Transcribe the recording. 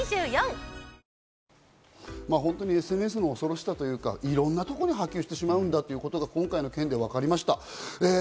本当にＳＮＳの恐ろしさというか、いろんなところに波及してしまうということは今回の件で分かりました。